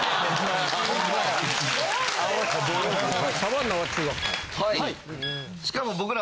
サバンナは中学から。